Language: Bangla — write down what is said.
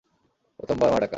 প্রথমবার মা ডাকা।